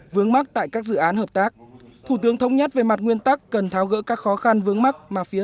vướng mắt tại các dự án hợp tác